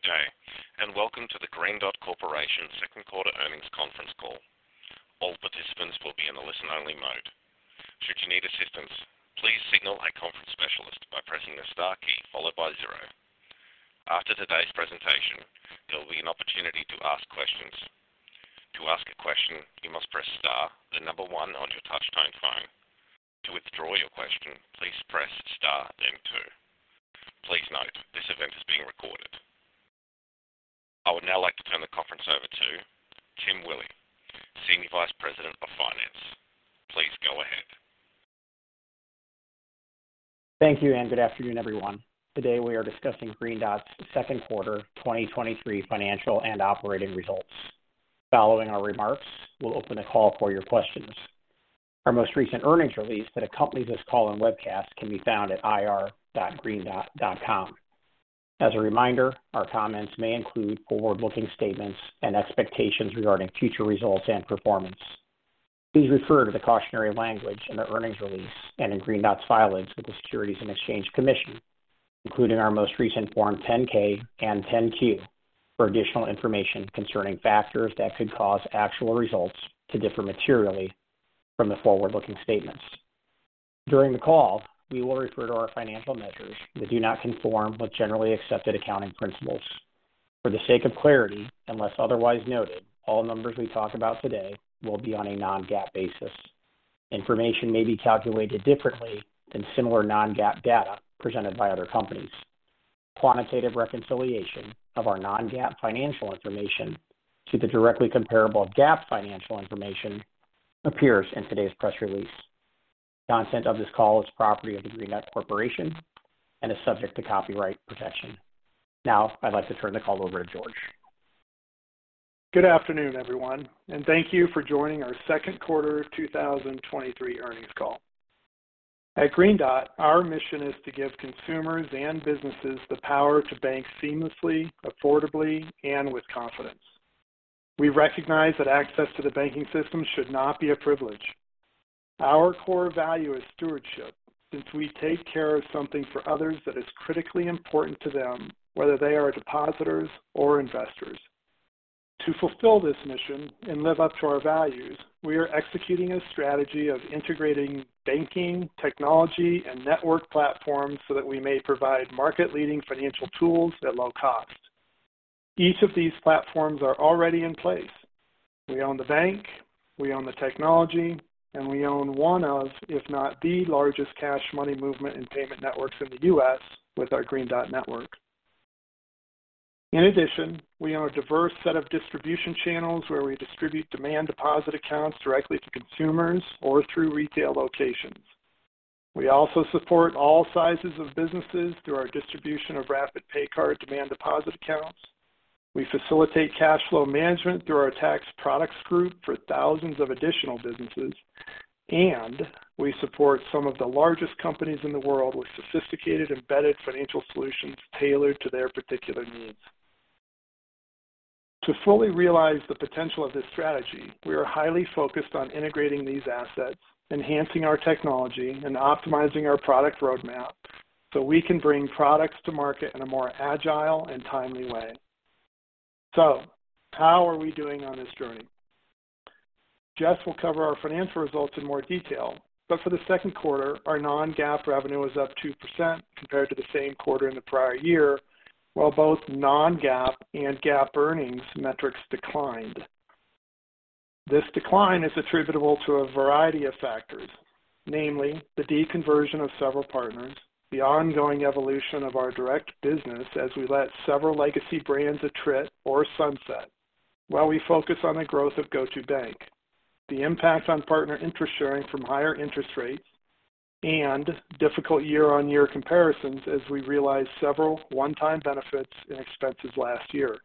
Good day, and welcome to the Green Dot Corporation Q2 earnings conference call. All participants will be in a listen-only mode. Should you need assistance, please signal a conference specialist by pressing the star key followed by zero. After today's presentation, there will be an opportunity to ask questions. To ask a question, you must press star, the number one on your touch-tone phone. To withdraw your question, please press star, then two. Please note, this event is being recorded. I would now like to turn the conference over to Tim Willi, Senior Vice President of Finance. Please go ahead. Thank you. Good afternoon, everyone. Today, we are discussing Green Dot's Q2 2023 financial and operating results. Following our remarks, we'll open the call for your questions. Our most recent earnings release that accompanies this call and webcast can be found at ir.greendot.com. As a reminder, our comments may include forward-looking statements and expectations regarding future results and performance. Please refer to the cautionary language in the earnings release and in Green Dot's filings with the Securities and Exchange Commission, including our most recent Form 10-K and 10-Q, for additional information concerning factors that could cause actual results to differ materially from the forward-looking statements. During the call, we will refer to our financial measures that do not conform with generally accepted accounting principles. For the sake of clarity, unless otherwise noted, all numbers we talk about today will be on a non-GAAP basis. Information may be calculated differently than similar non-GAAP data presented by other companies. Quantitative reconciliation of our non-GAAP financial information to the directly comparable GAAP financial information appears in today's press release. The content of this call is property of the Green Dot Corporation and is subject to copyright protection. I'd like to turn the call over to George. Good afternoon, everyone, thank you for joining our Q2 2023 earnings call. At Green Dot, our mission is to give consumers and businesses the power to bank seamlessly, affordably, and with confidence. We recognize that access to the banking system should not be a privilege. Our core value is stewardship, since we take care of something for others that is critically important to them, whether they are depositors or investors. To fulfill this mission and live up to our values, we are executing a strategy of integrating banking, technology, and network platforms so that we may provide market-leading financial tools at low cost. Each of these platforms are already in place. We own the bank, we own the technology, and we own one of, if not the largest cash money movement and payment networks in the U.S. with our Green Dot network. In addition, we own a diverse set of distribution channels where we distribute demand deposit accounts directly to consumers or through retail locations. We also support all sizes of businesses through our distribution of Rapid Pay Card demand deposit accounts. We facilitate cash flow management through our tax products group for thousands of additional businesses, and we support some of the largest companies in the world with sophisticated, embedded financial solutions tailored to their particular needs. To fully realize the potential of this strategy, we are highly focused on integrating these assets, enhancing our technology, and optimizing our product roadmap, so we can bring products to market in a more agile and timely way. How are we doing on this journey? Jess will cover our financial results in more detail, but for the Q2, our non-GAAP revenue was up 2% compared to the same quarter in the prior year, while both non-GAAP and GAAP earnings metrics declined. This decline is attributable to a variety of factors, namely the deconversion of several partners, the ongoing evolution of our direct business as we let several legacy brands attrit or sunset while we focus on the growth of GO2bank, the impact on partner interest sharing from higher interest rates, and difficult year-on-year comparisons as we realized several one-time benefits and expenses last year.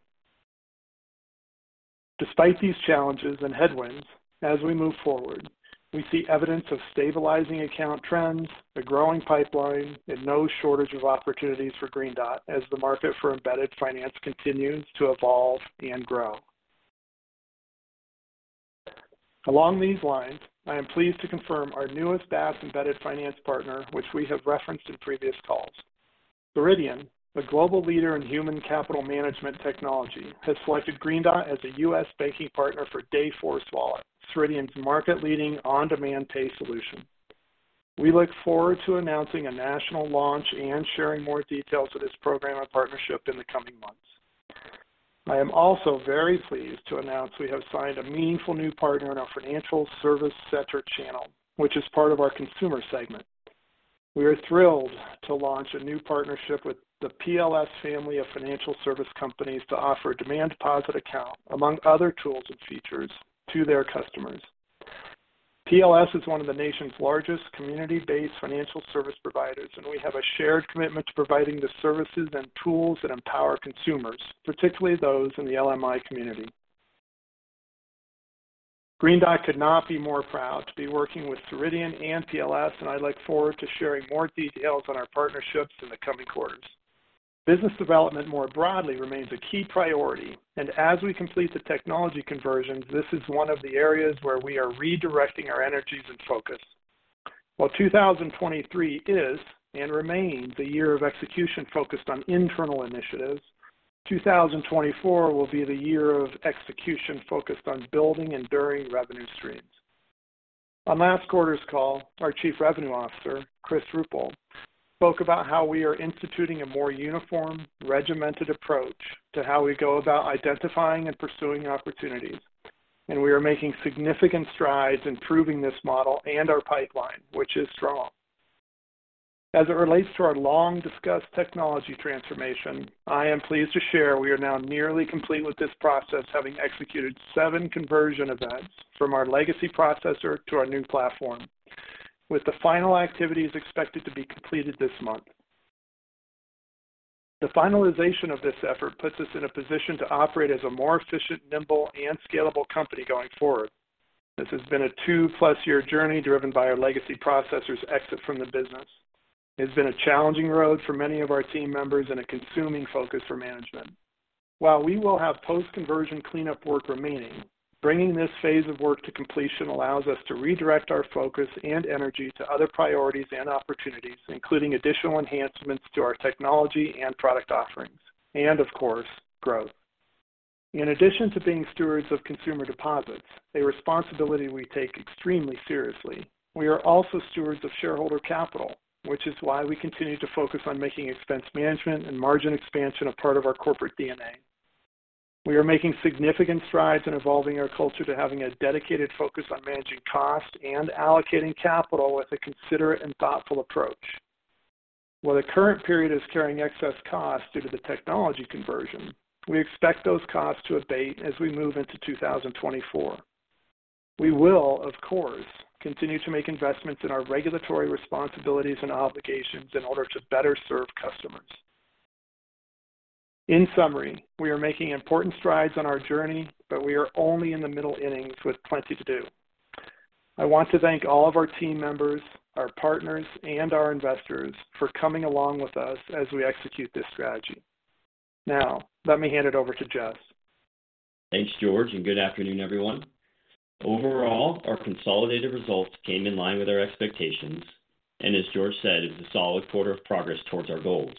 Despite these challenges and headwinds, as we move forward, we see evidence of stabilizing account trends, a growing pipeline, and no shortage of opportunities for Green Dot as the market for embedded finance continues to evolve and grow. Along these lines, I am pleased to confirm our newest SaaS embedded finance partner, which we have referenced in previous calls. Ceridian, a global leader in human capital management technology, has selected Green Dot as a U.S. banking partner for Dayforce Wallet, Ceridian's market-leading on-demand pay solution. We look forward to announcing a national launch and sharing more details of this program and partnership in the coming months. I am also very pleased to announce we have signed a meaningful new partner in our financial service sector channel, which is part of our consumer segment. We are thrilled to launch a new partnership with the PLS family of financial service companies to offer a demand deposit account, among other tools and features, to their customers. PLS is one of the nation's largest community-based financial service providers, and we have a shared commitment to providing the services and tools that empower consumers, particularly those in the LMI community. Green Dot could not be more proud to be working with Ceridian and PLS, and I look forward to sharing more details on our partnerships in the coming quarters. Business development more broadly remains a key priority, and as we complete the technology conversion, this is one of the areas where we are redirecting our energies and focus. While 2023 is and remains a year of execution focused on internal initiatives, 2024 will be the year of execution focused on building enduring revenue streams. On last quarter's call, our Chief Revenue Officer, Chris Ruppel, spoke about how we are instituting a more uniform, regimented approach to how we go about identifying and pursuing opportunities. We are making significant strides in improving this model and our pipeline, which is strong. As it relates to our long-discussed technology transformation, I am pleased to share we are now nearly complete with this process, having executed seven conversion events from our legacy processor to our new platform, with the final activities expected to be completed this month. The finalization of this effort puts us in a position to operate as a more efficient, nimble, and scalable company going forward. This has been a 2+ year journey, driven by our legacy processor's exit from the business. It's been a challenging road for many of our team members and a consuming focus for management. While we will have post-conversion cleanup work remaining, bringing this phase of work to completion allows us to redirect our focus and energy to other priorities and opportunities, including additional enhancements to our technology and product offerings, and of course, growth. In addition to being stewards of consumer deposits, a responsibility we take extremely seriously, we are also stewards of shareholder capital, which is why we continue to focus on making expense management and margin expansion a part of our corporate DNA. We are making significant strides in evolving our culture to having a dedicated focus on managing costs and allocating capital with a considerate and thoughtful approach. While the current period is carrying excess costs due to the technology conversion, we expect those costs to abate as we move into 2024. We will, of course, continue to make investments in our regulatory responsibilities and obligations in order to better serve customers. In summary, we are making important strides on our journey, but we are only in the middle innings with plenty to do. I want to thank all of our team members, our partners, and our investors for coming along with us as we execute this strategy. Now, let me hand it over to Jess. Thanks, George, good afternoon, everyone. Overall, our consolidated results came in line with our expectations, and as George said, it was a solid quarter of progress towards our goals.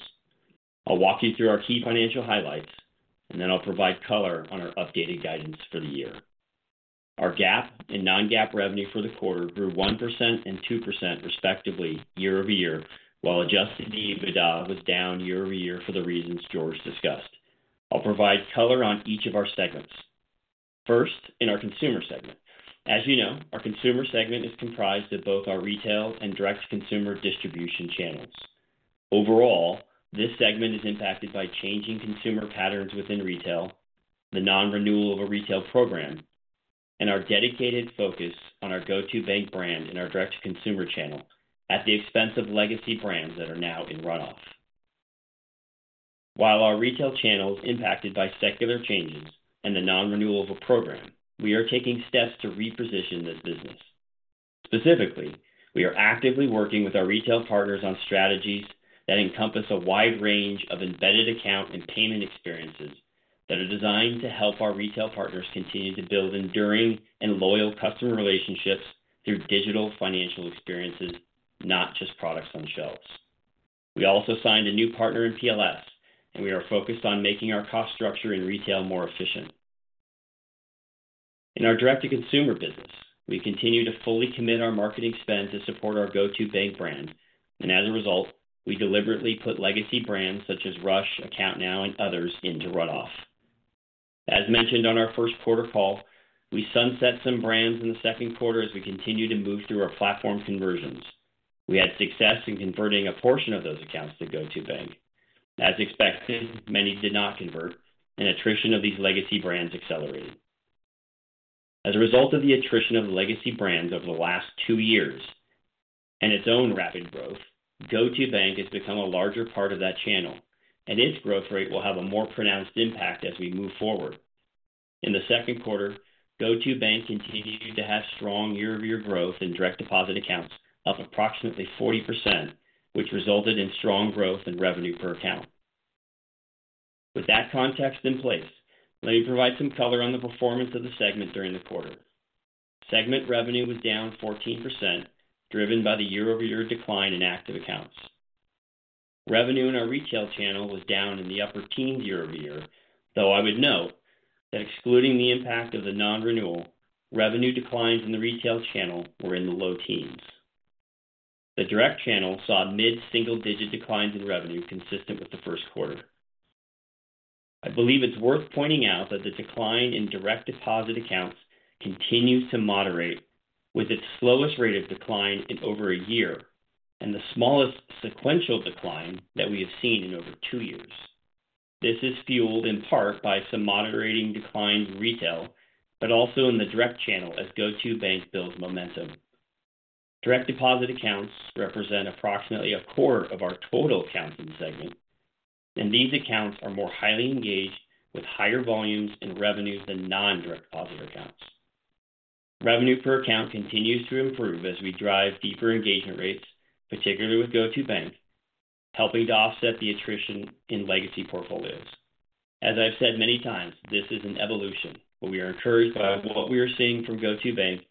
I'll walk you through our key financial highlights, and then I'll provide color on our updated guidance for the year. Our GAAP and non-GAAP revenue for the quarter grew 1% and 2% respectively year-over-year, while adjusted EBITDA was down year-over-year for the reasons George discussed. I'll provide color on each of our segments. First, in our consumer segment. As you know, our consumer segment is comprised of both our retail and direct-to-consumer distribution channels. Overall, this segment is impacted by changing consumer patterns within retail, the non-renewal of a retail program, and our dedicated focus on our GO2bank brand in our direct-to-consumer channel at the expense of legacy brands that are now in runoff. While our retail channel is impacted by secular changes and the non-renewal of a program, we are taking steps to reposition this business. Specifically, we are actively working with our retail partners on strategies that encompass a wide range of embedded account and payment experiences that are designed to help our retail partners continue to build enduring and loyal customer relationships through digital financial experiences, not just products on shelves. We also signed a new partner in PLS, and we are focused on making our cost structure in retail more efficient. In our direct-to-consumer business, we continue to fully commit our marketing spend to support our GO2bank brand. As a result, we deliberately put legacy brands such as Rush, AccountNow, and others into runoff. As mentioned on our Q1 call, we sunset some brands in the Q2 as we continued to move through our platform conversions. We had success in converting a portion of those accounts to GO2bank. As expected, many did not convert. Attrition of these legacy brands accelerated. As a result of the attrition of legacy brands over the last two years and its own rapid growth, GO2bank has become a larger part of that channel. Its growth rate will have a more pronounced impact as we move forward. In the Q2, GO2bank continued to have strong year-over-year growth in direct deposit accounts, up approximately 40%, which resulted in strong growth in revenue per account. With that context in place, let me provide some color on the performance of the segment during the quarter. Segment revenue was down 14%, driven by the year-over-year decline in active accounts. Revenue in our retail channel was down in the upper teens year over year, though I would note that excluding the impact of the non-renewal, revenue declines in the retail channel were in the low teens. The direct channel saw mid-single digit declines in revenue, consistent with the Q1. I believe it's worth pointing out that the decline in direct deposit accounts continues to moderate, with its slowest rate of decline in over a year and the smallest sequential decline that we have seen in over two years. This is fueled in part by some moderating declines in retail, but also in the direct channel as GO2bank builds momentum. Direct deposit accounts represent approximately a quarter of our total accounts in the segment, and these accounts are more highly engaged with higher volumes and revenues than non-direct deposit accounts. Revenue per account continues to improve as we drive deeper engagement rates, particularly with GO2bank, helping to offset the attrition in legacy portfolios. As I've said many times, this is an evolution, but we are encouraged by what we are seeing from GO2bank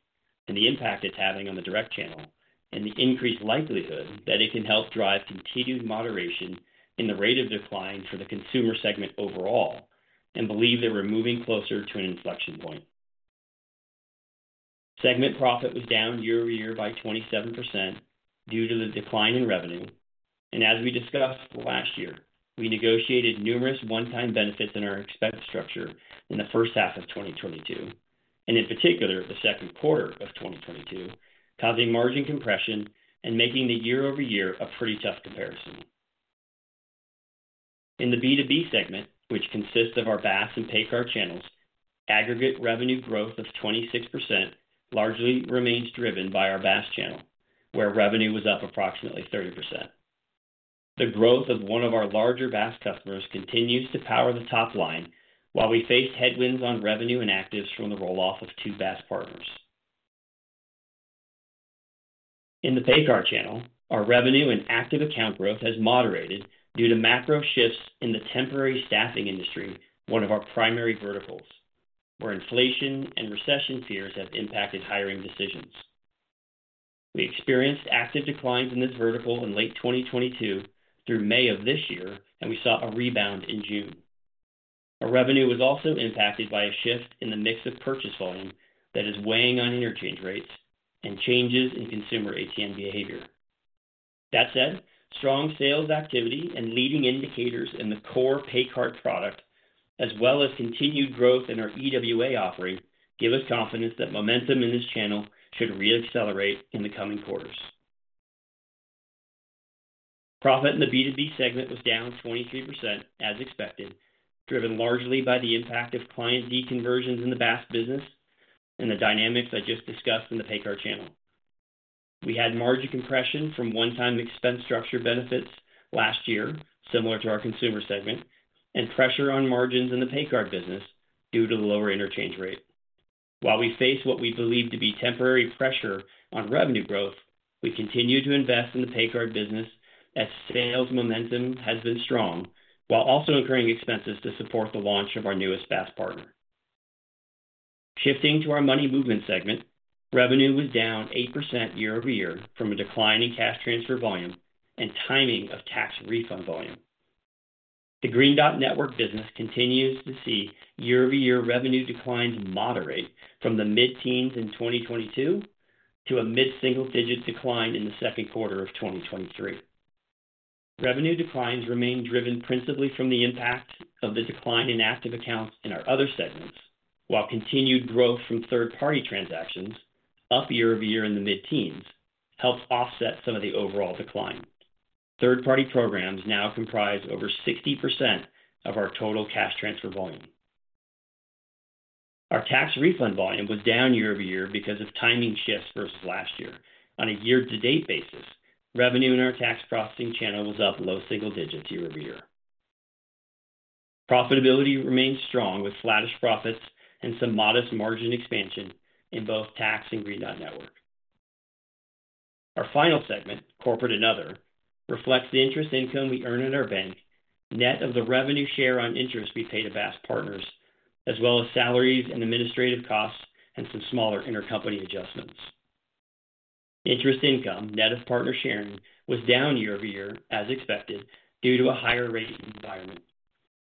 and the impact it's having on the direct channel, and the increased likelihood that it can help drive continued moderation in the rate of decline for the consumer segment overall, and believe that we're moving closer to an inflection point. Segment profit was down year-over-year by 27% due to the decline in revenue, and as we discussed last year, we negotiated numerous one-time benefits in our expense structure in the H1 of 2022, and in particular, the Q2 of 2022, causing margin compression and making the year-over-year a pretty tough comparison. In the B2B segment, which consists of our BaaS and paycard channels, aggregate revenue growth of 26% largely remains driven by our BaaS channel, where revenue was up approximately 30%. The growth of one of our larger BaaS customers continues to power the top line, while we faced headwinds on revenue and actives from the roll-off of two BaaS partners. In the paycard channel, our revenue and active account growth has moderated due to macro shifts in the temporary staffing industry, one of our primary verticals, where inflation and recession fears have impacted hiring decisions. We experienced active declines in this vertical in late 2022 through May of this year, we saw a rebound in June. Our revenue was also impacted by a shift in the mix of purchase volume that is weighing on interchange rates and changes in consumer ATM behavior. That said, strong sales activity and leading indicators in the core paycard product, as well as continued growth in our EWA offering, give us confidence that momentum in this channel should re-accelerate in the coming quarters. Profit in the B2B segment was down 23%, as expected, driven largely by the impact of client deconversions in the BaaS business and the dynamics I just discussed in the paycard channel. We had margin compression from one-time expense structure benefits last year, similar to our consumer segment, and pressure on margins in the paycard business due to the lower interchange rate. While we face what we believe to be temporary pressure on revenue growth, we continue to invest in the paycard business as sales momentum has been strong, while also incurring expenses to support the launch of our newest BaaS partner. Shifting to our money movement segment, revenue was down 8% year-over-year from a decline in cash transfer volume and timing of tax refund volume. The Green Dot Network business continues to see year-over-year revenue declines moderate from the mid-teens in 2022 to a mid-single-digit decline in the Q2 of 2023. Revenue declines remain driven principally from the impact of the decline in active accounts in our other segments, while continued growth from third-party transactions, up year-over-year in the mid-teens, helped offset some of the overall decline. Third-party programs now comprise over 60% of our total cash transfer volume. Our tax refund volume was down year-over-year because of timing shifts versus last year. On a year-to-date basis, revenue in our tax processing channel was up low single digits year-over-year. Profitability remains strong, with flattish profits and some modest margin expansion in both tax and Green Dot Network. Our final segment, corporate and other, reflects the interest income we earn at our bank, net of the revenue share on interest we pay to BaaS partners, as well as salaries and administrative costs and some smaller intercompany adjustments. Interest income, net of partner sharing, was down year-over-year as expected, due to a higher rate environment.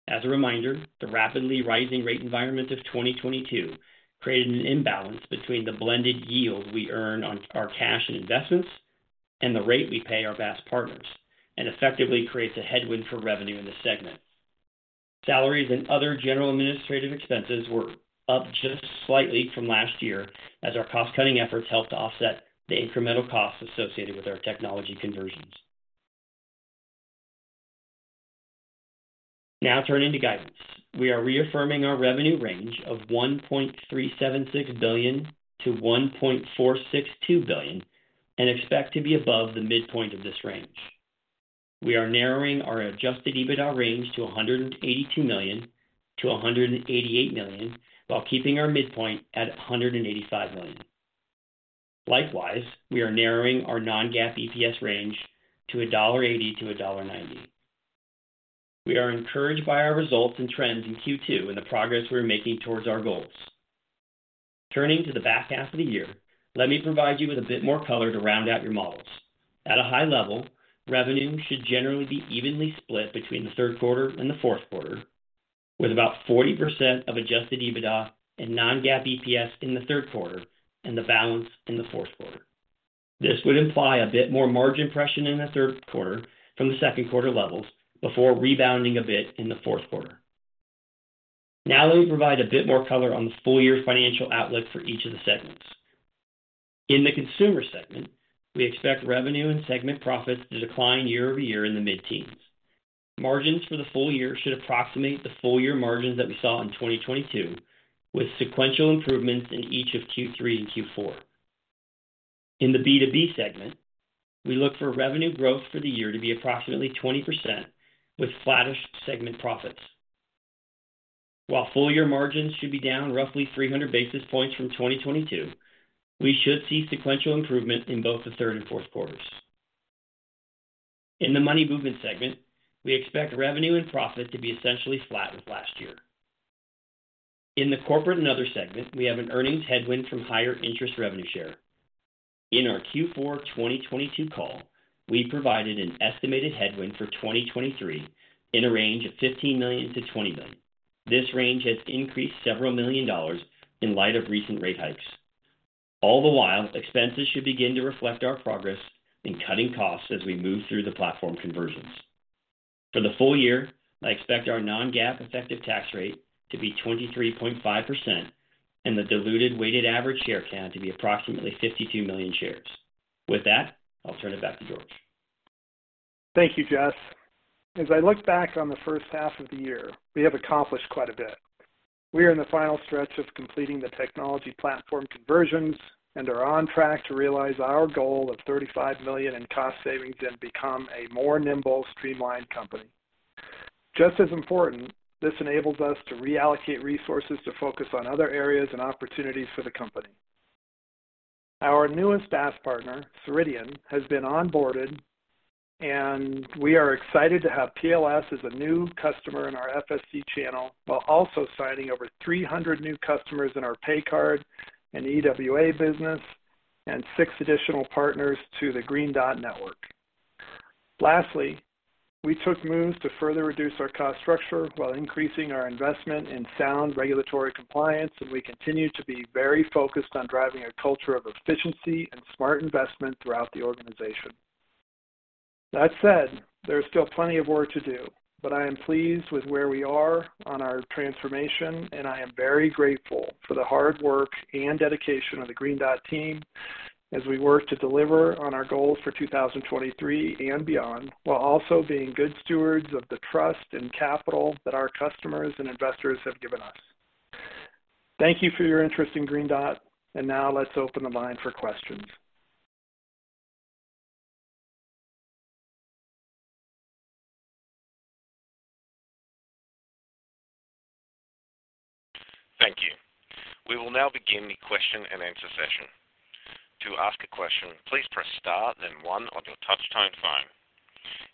As a reminder, the rapidly rising rate environment of 2022 created an imbalance between the blended yield we earn on our cash and investments and the rate we pay our BaaS partners, and effectively creates a headwind for revenue in the segment. Salaries and other general administrative expenses were up just slightly from last year, as our cost-cutting efforts helped to offset the incremental costs associated with our technology conversions. Now turning to guidance. We are reaffirming our revenue range of $1.376 billion-$1.462 billion, and expect to be above the midpoint of this range. We are narrowing our adjusted EBITDA range to $182 million-$188 million, while keeping our midpoint at $185 million. Likewise, we are narrowing our non-GAAP EPS range to $1.80-$1.90. We are encouraged by our results and trends in Q2 and the progress we're making towards our goals. Turning to the back half of the year, let me provide you with a bit more color to round out your models. At a high level, revenue should generally be evenly split between the Q3 and the Q4, with about 40% of adjusted EBITDA and non-GAAP EPS in the Q3 and the balance in the Q4. This would imply a bit more margin pressure in the Q3 from the Q2 levels before rebounding a bit in the Q4. Now, let me provide a bit more color on the full year financial outlook for each of the segments. In the consumer segment, we expect revenue and segment profits to decline year-over-year in the mid-teens. Margins for the full year should approximate the full year margins that we saw in 2022, with sequential improvements in each of Q3 and Q4. In the B2B segment, we look for revenue growth for the year to be approximately 20%, with flattish segment profits. While full year margins should be down roughly 300 basis points from 2022, we should see sequential improvement in both the third and Q4s. In the money movement segment, we expect revenue and profit to be essentially flat with last year. In the corporate and other segment, we have an earnings headwind from higher interest revenue share. In our Q4 2022 call, we provided an estimated headwind for 2023 in a range of $15 million-$20 million. This range has increased several million dollars in light of recent rate hikes. All the while, expenses should begin to reflect our progress in cutting costs as we move through the platform conversions. For the full year, I expect our non-GAAP effective tax rate to be 23.5% and the diluted weighted average share count to be approximately 52 million shares. With that, I'll turn it back to George. Thank you, Jess. As I look back on the H1 of the year, we have accomplished quite a bit. We are in the final stretch of completing the technology platform conversions and are on track to realize our goal of $35 million in cost savings and become a more nimble, streamlined company. Just as important, this enables us to reallocate resources to focus on other areas and opportunities for the company. Our newest BaaS partner, Ceridian, has been onboarded, and we are excited to have PLS as a new customer in our FSC channel, while also signing over 300 new customers in our paycard and EWA business and six additional partners to the Green Dot network. Lastly, we took moves to further reduce our cost structure while increasing our investment in sound regulatory compliance, and we continue to be very focused on driving a culture of efficiency and smart investment throughout the organization. That said, there is still plenty of work to do, but I am pleased with where we are on our transformation, and I am very grateful for the hard work and dedication of the Green Dot team as we work to deliver on our goals for 2023 and beyond, while also being good stewards of the trust and capital that our customers and investors have given us. Thank you for your interest in Green Dot, and now let's open the line for questions. Thank you. We will now begin the question-and-answer session. To ask a question, please press Star, then one on your touch-tone phone.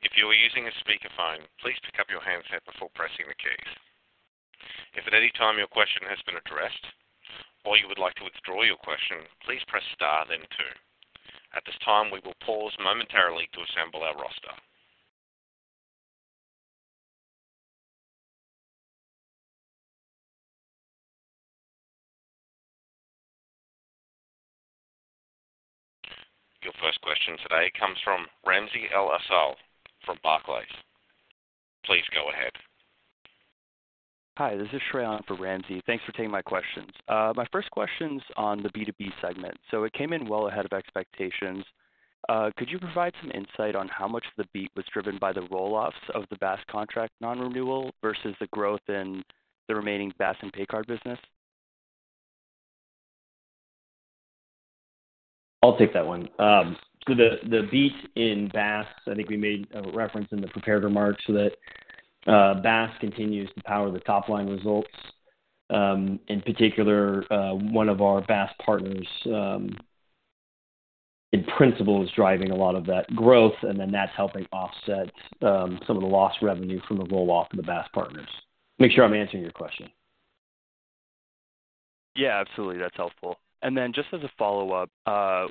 If you are using a speakerphone, please pick up your handset before pressing the keys. If at any time your question has been addressed or you would like to withdraw your question, please press Star, then two. At this time, we will pause momentarily to assemble our roster. Your first question today comes from Ramsey El-Assal from Barclays. Please go ahead. Hi, this is Shreya for Ramsey. Thanks for taking my questions. My first question's on the B2B segment. It came in well ahead of expectations. Could you provide some insight on how much of the beat was driven by the roll-offs of the BaaS contract non-renewal versus the growth in the remaining BaaS and paycard business? I'll take that one. The, the beat in BaaS, I think we made a reference in the prepared remarks, that, BaaS continues to power the top-line results. In particular, one of our BaaS partners, in principle, is driving a lot of that growth, and then that's helping offset, some of the lost revenue from the roll-off of the BaaS partners. Make sure I'm answering your question. Yeah, absolutely. That's helpful. Then just as a follow-up,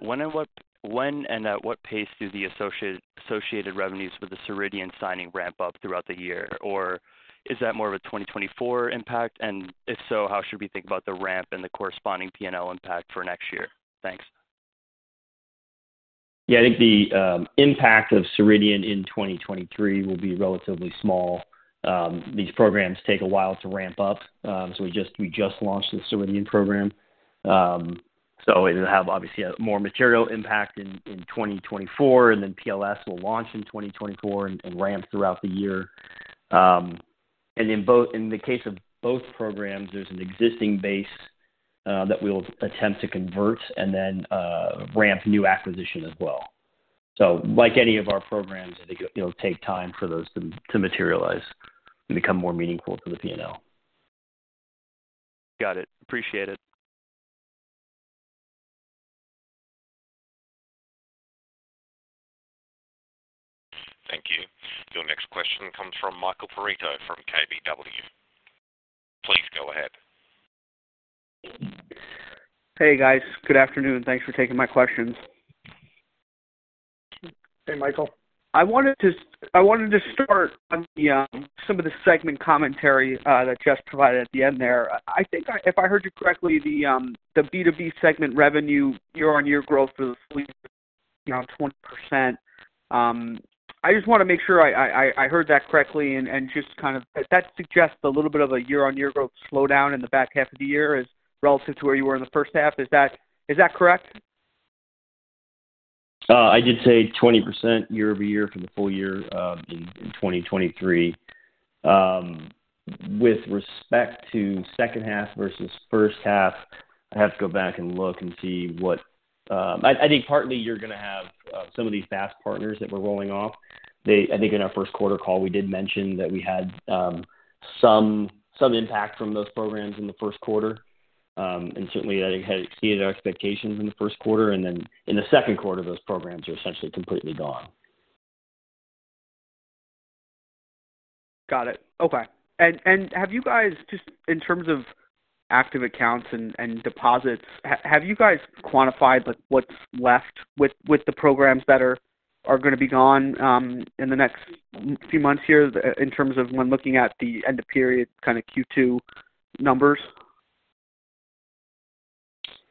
when and at what pace do the associated revenues for the Ceridian signing ramp up throughout the year? Or is that more of a 2024 impact? If so, how should we think about the ramp and the corresponding PNL impact for next year? Thanks. Yeah, I think the impact of Ceridian in 2023 will be relatively small. These programs take a while to ramp up. We just, we just launched the Ceridian program. It'll have, obviously, a more material impact in 2024, and then PLS will launch in 2024 and ramp throughout the year. In the case of both programs, there's an existing base that we'll attempt to convert and then ramp new acquisition as well. Like any of our programs, I think it'll take time for those to materialize and become more meaningful to the PNL. Got it. Appreciate it. Thank you. Your next question comes from Michael Perito from KBW. Please go ahead. Hey, guys. Good afternoon. Thanks for taking my questions. Hey, Michael. I wanted to start on the some of the segment commentary that Jess provided at the end there. If I heard you correctly, the B2B segment revenue year-on-year growth is, you know, 20%. I just want to make sure I heard that correctly and that suggests a little bit of a year-on-year growth slowdown in the back half of the year as relative to where you were in the H1. Is that, is that correct? I did say 20% year-over-year for the full year, in, in 2023. With respect to H2 versus H1, I'd have to go back and look and see what some of these BaaS partners that we're rolling off, I think in our Q1 call, we did mention that we had some impact from those programs in the Q1. Certainly, that had exceeded our expectations in the Q1, and then in the Q2, those programs are essentially completely gone. Got it. Okay. Have you guys, just in terms of active accounts and, and deposits, have you guys quantified, like, what's left with, with the programs that are, are gonna be gone, in the next few months here, in terms of when looking at the end of period, kind of Q2 numbers?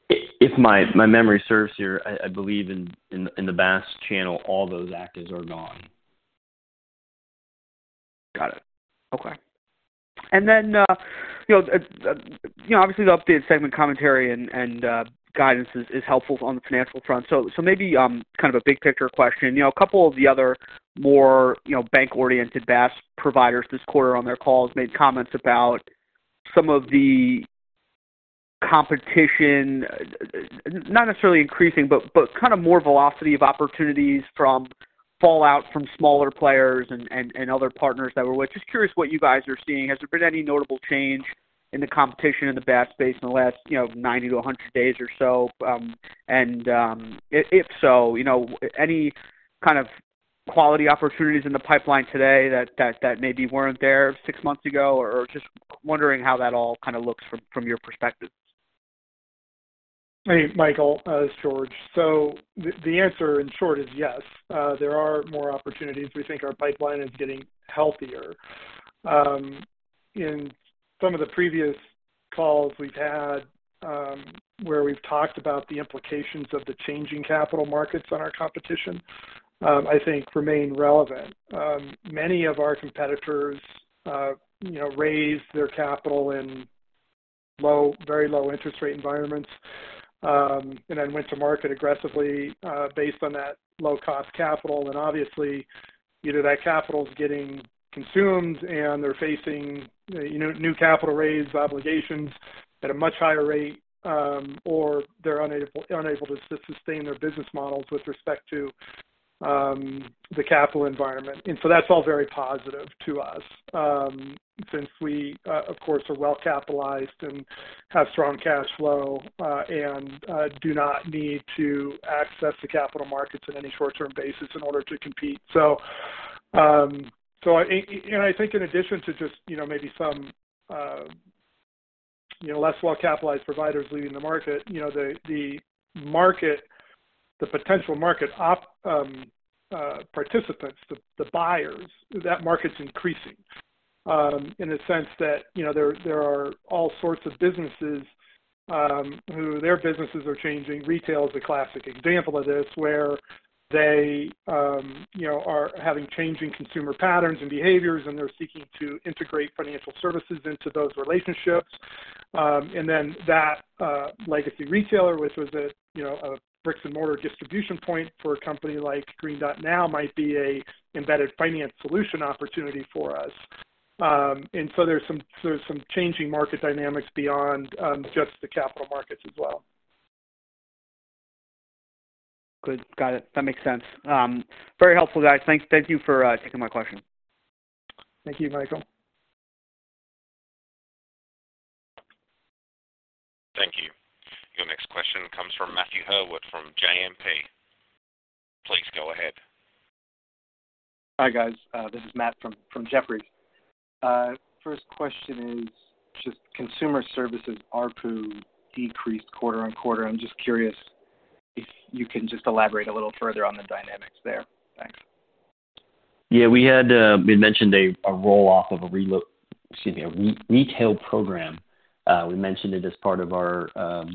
If my memory serves here, I believe in the BaaS channel, all those actives are gone. Got it. Okay. You know, you know, obviously, the updated segment commentary and, and guidance is, is helpful on the financial front. So maybe, kind of a big picture question. You know, a couple of the other more, you know, bank-oriented BaaS providers this quarter on their calls made comments about some of the competition, not necessarily increasing, but, but kind of more velocity of opportunities from fallout from smaller players and, and, and other partners that were with. Just curious what you guys are seeing. Has there been any notable change in the competition in the BaaS space in the last, you know, 90-100 days or so? If so, you know, any kind of quality opportunities in the pipeline today that, that, that maybe weren't there six months ago? Just wondering how that all kind of looks from, from your perspective. Hey, Michael, it's George. The, the answer in short is yes. There are more opportunities. We think our pipeline is getting healthier. In some of the previous calls we've had, where we've talked about the implications of the changing capital markets on our competition, I think remain relevant. Many of our competitors, you know, raised their capital in low, very low interest rate environments, and then went to market aggressively, based on that low-cost capital. Obviously, either that capital is getting consumed and they're facing, you know, new capital raise obligations at a much higher rate, or they're unable, unable to sustain their business models with respect to the capital environment. That's all very positive to us, since we, of course, are well capitalized and have strong cash flow, and do not need to access the capital markets on any short-term basis in order to compete. I, and I think in addition to just, you know, maybe some, you know, less well-capitalized providers leaving the market, you know, the potential market participants, the buyers, that market's increasing, in the sense that, you know, there, there are all sorts of businesses, who their businesses are changing. Retail is a classic example of this, where they, you know, are having changing consumer patterns and behaviors, and they're seeking to integrate financial services into those relationships. Then that legacy retailer, which was a, you know, a bricks-and-mortar distribution point for a company like Green Dot now might be a embedded finance solution opportunity for us. So there's some, there's some changing market dynamics beyond, just the capital markets as well. Good. Got it. That makes sense. Very helpful, guys. Thank, thank you for, taking my question. Thank you, Michael. Thank you. Your next question comes from Matthew Herward from JMP. Please go ahead. Hi, guys. This is Matt from, from Jeffrey. First question is just consumer services ARPU decreased quarter-over-quarter. I'm just curious if you can just elaborate a little further on the dynamics there. Thanks. Yeah, we had. We mentioned a roll-off of a reload, excuse me, a retail program. We mentioned it as part of our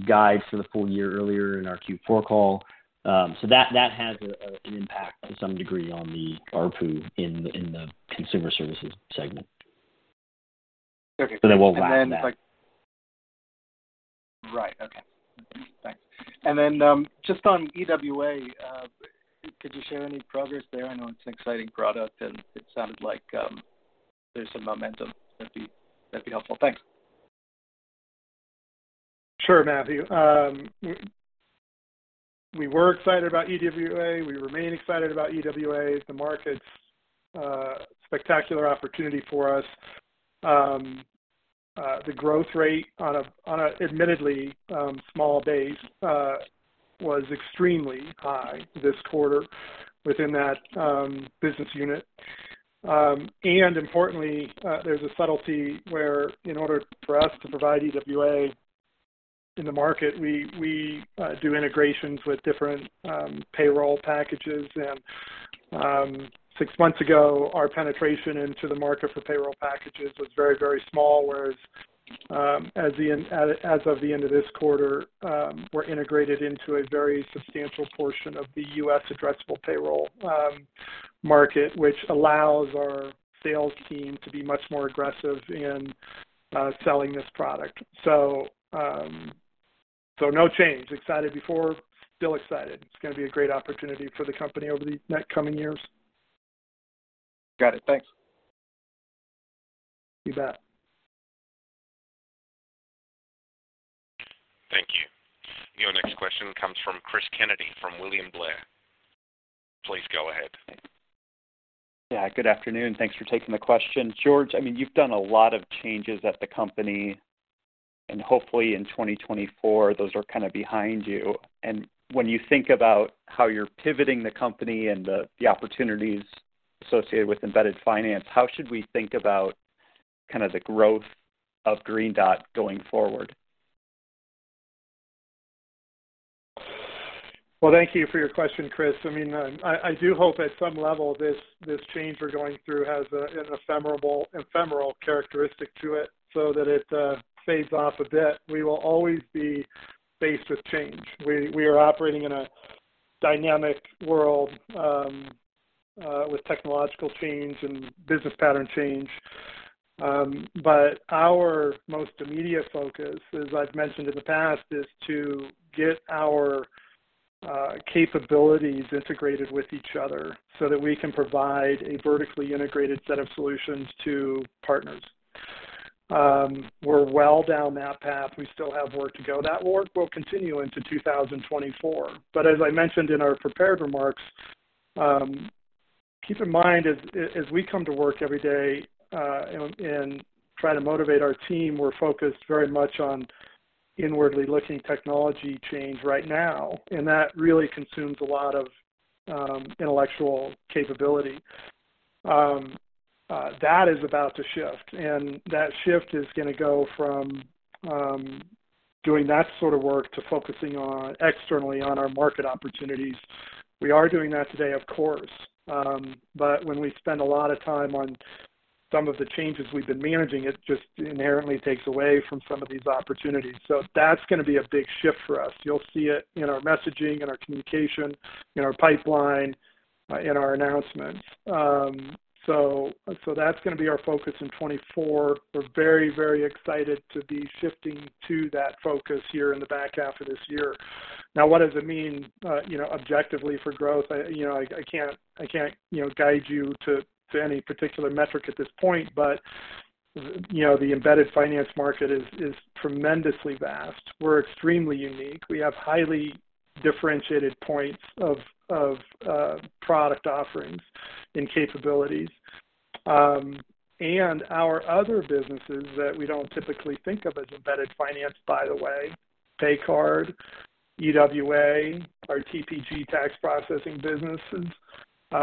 guide for the full year earlier in our Q4 call. That has an impact to some degree on the ARPU in the consumer services segment. Okay. I won't laugh at that. Right. Okay. Thanks. Then, just on EWA, could you share any progress there? I know it's an exciting product, and it sounded like there's some momentum. That'd be, that'd be helpful. Thanks. Sure, Matthew. We were excited about EWA. We remain excited about EWA. The market's spectacular opportunity for us. The growth rate on an admittedly small base was extremely high this quarter within that business unit. Importantly, there's a subtlety where in order for us to provide EWA in the market, we do integrations with different payroll packages. Six months ago, our penetration into the market for payroll packages was very, very small, whereas as of the end of this quarter, we're integrated into a very substantial portion of the U.S. addressable payroll market, which allows our sales team to be much more aggressive in selling this product. No change. Excited before, still excited. It's gonna be a great opportunity for the company over the next coming years. Got it. Thanks. You bet. Thank you. Your next question comes from Chris Kennedy from William Blair. Please go ahead. Yeah, good afternoon. Thanks for taking the question. George, I mean, you've done a lot of changes at the company, and hopefully in 2024, those are kind of behind you. When you think about how you're pivoting the company and the opportunities associated with embedded finance, how should we think about kind of the growth of Green Dot going forward? Well, thank you for your question, Chris. I mean, I, I do hope at some level, this, this change we're going through has a, an ephemeral, ephemeral characteristic to it so that it fades off a bit. We will always be faced with change. We, we are operating in a dynamic world with technological change and business pattern change. Our most immediate focus, as I've mentioned in the past, is to get our capabilities integrated with each other so that we can provide a vertically integrated set of solutions to partners. We're well down that path. We still have work to go. That work will continue into 2024. As I mentioned in our prepared remarks, keep in mind, as, as we come to work every day, and, and try to motivate our team, we're focused very much on inwardly looking technology change right now, and that really consumes a lot of intellectual capability. That is about to shift, and that shift is going to go from doing that sort of work to focusing on externally on our market opportunities. We are doing that today, of course, but when we spend a lot of time on some of the changes we've been managing, it just inherently takes away from some of these opportunities. That's going to be a big shift for us. You'll see it in our messaging and our communication, in our pipeline, in our announcements. That's going to be our focus in 2024. We're very, very excited to be shifting to that focus here in the back half of this year. Now, what does it mean, you know, objectively for growth? I, you know, I, I can't- I can't, you know, guide you to, to any particular metric at this point, but, you know, the embedded finance market is, is tremendously vast. We're extremely unique. We have highly differentiated points of, of product offerings and capabilities. Our other businesses that we don't typically think of as embedded finance, by the way, Paycard, EWA, our TPG tax processing businesses,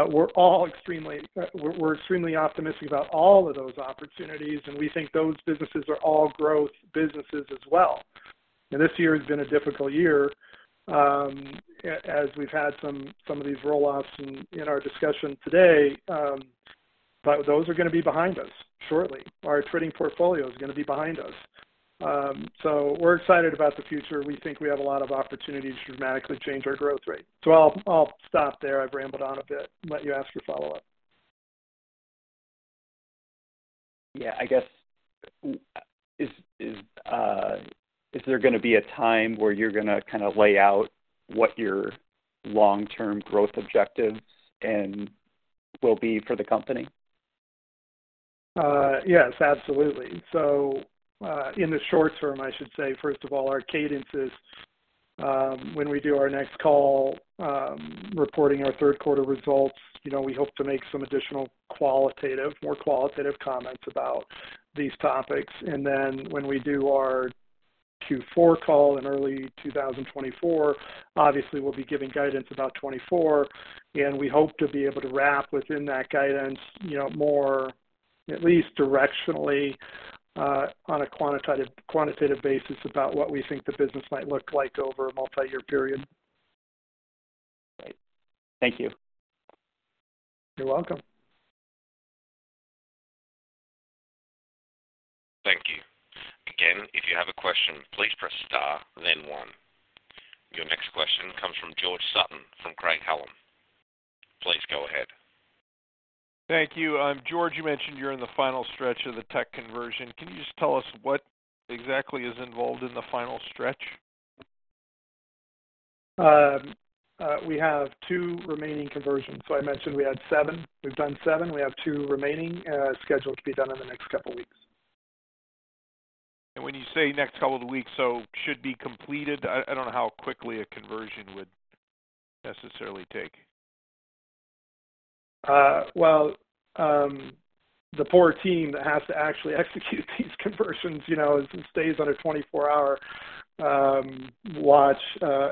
we're all extremely, we're extremely optimistic about all of those opportunities, and we think those businesses are all growth businesses as well. This year has been a difficult year, as we've had some, some of these rollouts in, in our discussion today, but those are going to be behind us shortly. Our trading portfolio is going to be behind us. We're excited about the future. We think we have a lot of opportunity to dramatically change our growth rate. I'll, I'll stop there. I've rambled on a bit and let you ask your follow-up. Yeah. I guess, is there going to be a time where you're going to kind of lay out what your long-term growth objectives and will be for the company? Yes, absolutely. In the short term, I should say, first of all, our cadences, when we do our next call, reporting our Q3 results, you know, we hope to make some additional qualitative- more qualitative comments about these topics. Then when we do our Q4 call in early 2024, obviously, we'll be giving guidance about 2024, and we hope to be able to wrap within that guidance, you know, more at least directionally, on a quantitative, quantitative basis about what we think the business might look like over a multi-year period. Great. Thank you. You're welcome. Thank you. Again, if you have a question, please press star, then one. Your next question comes from George Sutton, from Craig-Hallum. Please go ahead. Thank you. George, you mentioned you're in the final stretch of the tech conversion. Can you just tell us what exactly is involved in the final stretch? We have two remaining conversions. I mentioned we had seven. We've done seven. We have two remaining scheduled to be done in the next couple of weeks. When you say next couple of weeks, should be completed? I, I don't know how quickly a conversion would necessarily take. Well, the poor team that has to actually execute these conversions, you know, stays on a 24-hour watch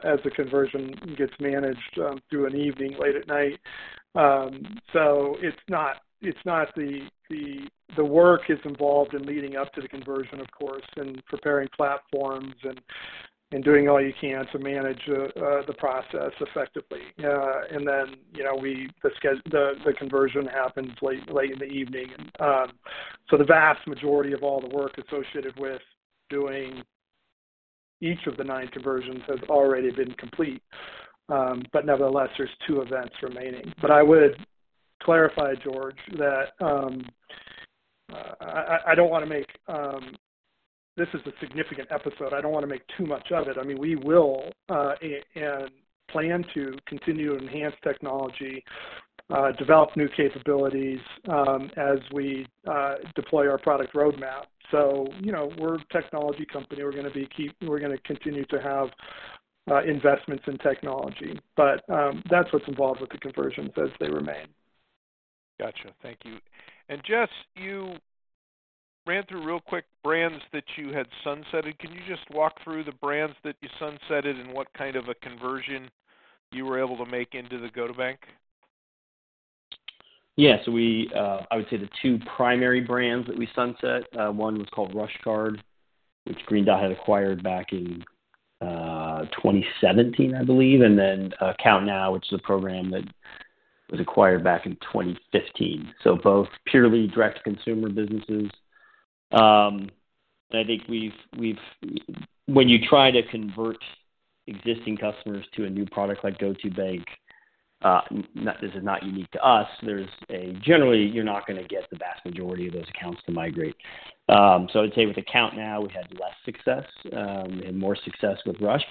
as the conversion gets managed through an evening, late at night. It's not, it's not the work is involved in leading up to the conversion, of course, and preparing platforms and doing all you can to manage the process effectively. Then, you know, the conversion happens late, late in the evening. The vast majority of all the work associated with doing each of the nine conversions has already been complete. Nevertheless, there's two events remaining. I would clarify, George, that I don't want to make, this is a significant episode. I don't want to make too much of it. I mean, we will, and plan to continue to enhance technology, develop new capabilities, as we deploy our product roadmap. You know, we're a technology company. We're gonna continue to have investments in technology. That's what's involved with the conversions as they remain. Gotcha. Thank you. Jess, you ran through real quick brands that you had sunsetted. Can you just walk through the brands that you sunsetted and what kind of a conversion you were able to make into the GO2bank? Yes, we, I would say the two primary brands that we sunset, one was called RushCard, which Green Dot had acquired back in 2017, I believe, and then, AccountNow, which is a program that was acquired back in 2015. Both purely direct consumer businesses. I think we've, when you try to convert existing customers to a new product like GO2bank, this is not unique to us. Generally, you're not gonna get the vast majority of those accounts to migrate. I'd say with the AccountNow, we had less success, and more success with Rush.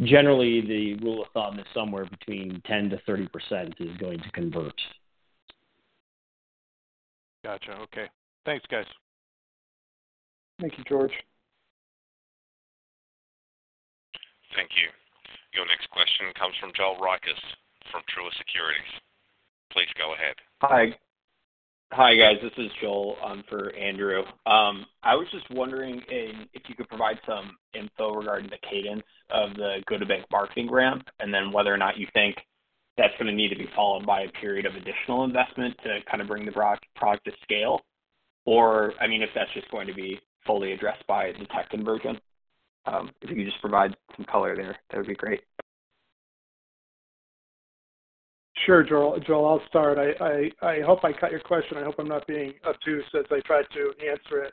Generally, the rule of thumb is somewhere between 10%-30% is going to convert. Gotcha. Okay. Thanks, guys. Thank you, George. Thank you. Your next question comes from Joel Rokos, from Truist Securities. Please go ahead. Hi. Hi, guys. This is Joel for Andrew. I was just wondering if, if you could provide some info regarding the cadence of the GO2bank marketing ramp, and then whether or not you think that's gonna need to be followed by a period of additional investment to kind of bring the product to scale? Or, I mean, if that's just going to be fully addressed by the tech conversion. If you could just provide some color there, that would be great. Sure, Joel. Joel, I'll start. I, I, I hope I got your question. I hope I'm not being obtuse as I try to answer it.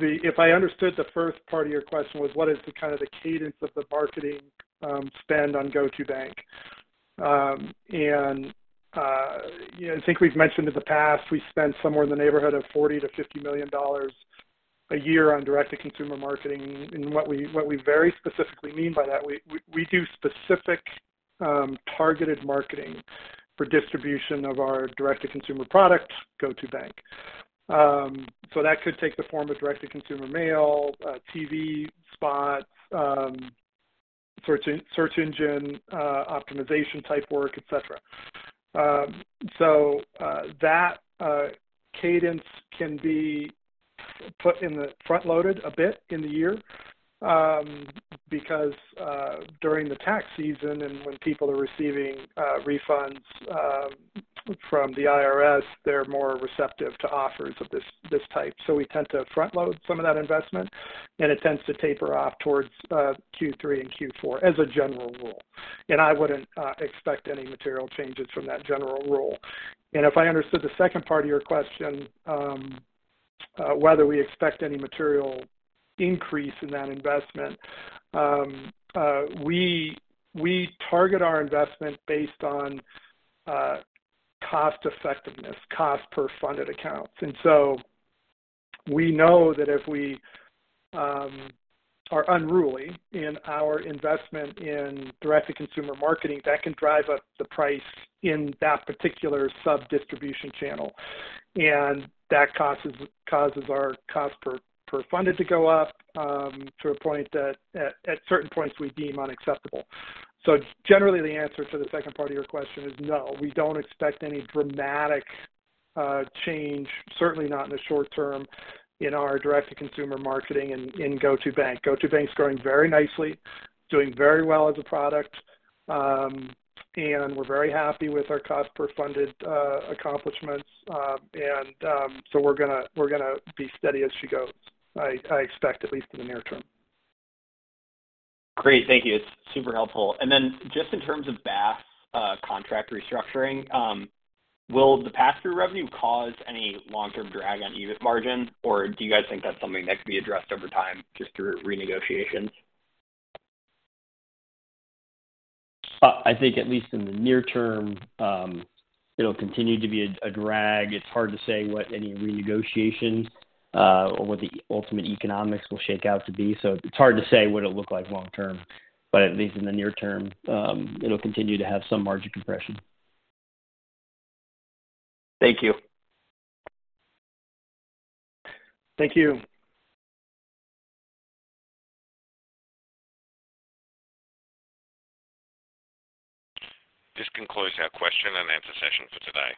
If I understood the first part of your question was what is the kind of the cadence of the marketing spend on GO2bank? I think we've mentioned in the past, we spent somewhere in the neighborhood of $40 million-$50 million a year on direct-to-consumer marketing. What we, what we very specifically mean by that, we, we do specific targeted marketing for distribution of our direct-to-consumer product, GO2bank. So that could take the form of direct-to-consumer mail, TV spots, search engine optimization type work, et cetera. That cadence can be put in the front-loaded a bit in the year because during the tax season and when people are receiving refunds from the IRS, they're more receptive to offers of this, this type. We tend to front-load some of that investment, and it tends to taper off towards Q3 and Q4 as a general rule. I wouldn't expect any material changes from that general rule. If I understood the second part of your question, whether we expect any material increase in that investment, we target our investment based on cost effectiveness, cost per funded accounts. We know that if we are unruly in our investment in direct-to-consumer marketing, that can drive up the price in that particular sub-distribution channel, and that causes, causes our cost per, per funded to go up, to a point that at, at certain points we deem unacceptable. Generally, the answer to the second part of your question is no, we don't expect any dramatic change, certainly not in the short term, in our direct-to-consumer marketing in, in GO2bank. GO2bank is growing very nicely, doing very well as a product, and we're very happy with our cost per funded accomplishments. We're gonna, we're gonna be steady as she goes, I, I expect, at least in the near term. Great. Thank you. It's super helpful. Just in terms of BaaS, contract restructuring, will the pass-through revenue cause any long-term drag on EBIT margin? Do you guys think that's something that could be addressed over time just through renegotiations? I think at least in the near term, it'll continue to be a drag. It's hard to say what any renegotiation, or what the ultimate economics will shake out to be. It's hard to say what it'll look like long term, but at least in the near term, it'll continue to have some margin compression. Thank you. Thank you. This concludes our question and answer session for today.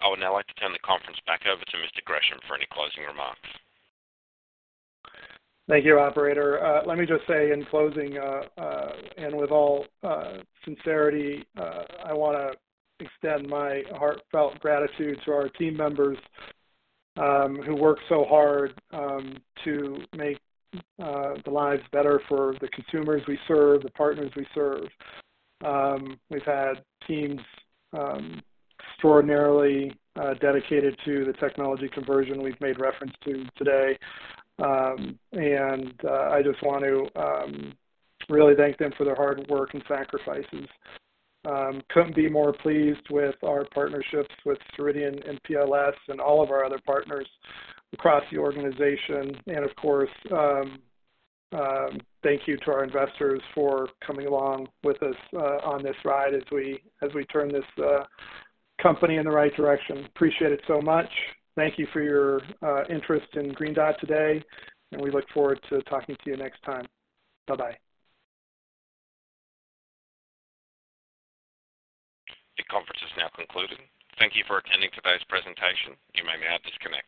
I would now like to turn the conference back over to Mr. Gresham for any closing remarks. Thank you, operator. Let me just say in closing, and with all sincerity, I wanna extend my heartfelt gratitude to our team members, who work so hard to make the lives better for the consumers we serve, the partners we serve. We've had teams extraordinarily dedicated to the technology conversion we've made reference to today. I just want to really thank them for their hard work and sacrifices. Couldn't be more pleased with our partnerships with Ceridian and PLS and all of our other partners across the organization. Of course, thank you to our investors for coming along with us on this ride as we, as we turn this company in the right direction. Appreciate it so much. Thank you for your interest in Green Dot today, and we look forward to talking to you next time. Bye-bye. The conference is now concluded. Thank you for attending today's presentation. You may now disconnect.